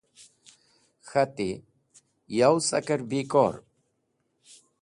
K̃hati: “Yow saker bẽkor?”